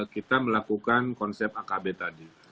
kita melakukan konsep akb tadi